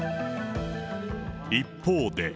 一方で。